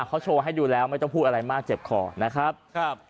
เขาโชว์ให้ดูแล้วไม่ต้องพูดอะไรมากเจ็บคอนะครับครับ